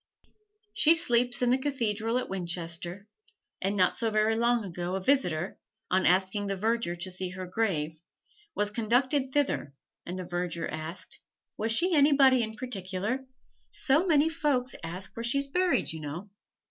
She sleeps in the cathedral at Winchester, and not so very long ago a visitor, on asking the verger to see her grave, was conducted thither, and the verger asked: "Was she anybody in particular? So many folks ask where she's buried, you know!"